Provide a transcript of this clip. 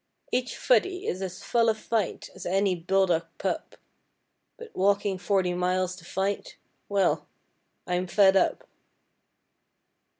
Each Footy is as full of fight as any bulldog pup, But walking forty miles to fight well, I'm fed up!